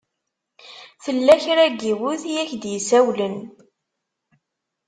Tella kra n yiwet i ak-d-isawlen.